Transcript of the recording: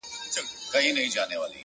هره ناکامي د بلې هڅې پیل وي,